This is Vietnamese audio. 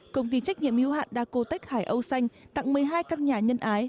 công ty trách nhiệm yếu hạn đa cô téc hải âu xanh tặng một mươi hai căn nhà nhân ái